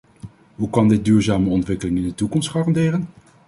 Hoe kan dit duurzame ontwikkeling in de toekomst garanderen?